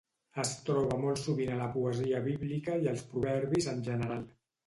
Es troba molt sovint a la poesia bíblica i als proverbis en general.